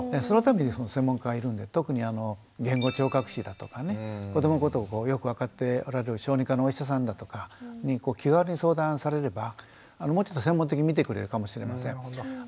そのために専門家がいるんで特に言語聴覚士だとかね子どものことをよく分かっておられる小児科のお医者さんだとかに気軽に相談されればもうちょっと専門的にみてくれるかもしれません。